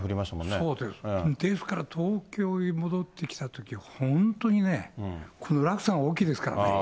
ですから東京へ戻ってきたとき、本当にね、この落差が大きいですからね。